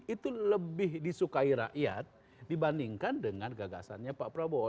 itu lebih disukai rakyat dibandingkan dengan gagasannya pak prabowo